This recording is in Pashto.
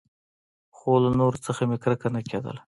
خو له نورو څخه مې کرکه نه کېدله.